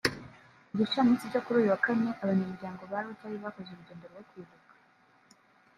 Ku gicamunsi cyo kuri uyu wa Kane abanyamuryango ba Rotary bakoze urugendo rwo kwibuka